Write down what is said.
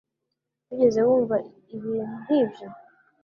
Wigeze wumva ibintu nk'ibyo